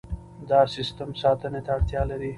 دا سیستم ساتنې ته اړتیا لري.